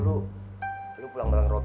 siapa juga yang mau aku rame